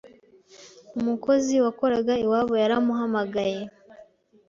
Umukozi wakoraga iwabo yaramuhamagaye